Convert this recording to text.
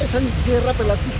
bapak bisa jadi bisnis di lapang